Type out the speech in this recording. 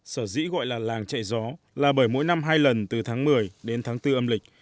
sở dĩ gọi là làng chạy gió là bởi mỗi năm hai lần từ tháng một mươi đến tháng bốn âm lịch